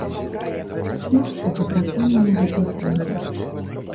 Шмат хто папракаў мяне гэтай фразай.